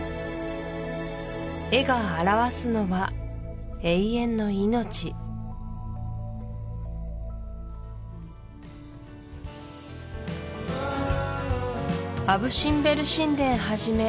絵が表すのは永遠の命アブ・シンベル神殿はじめ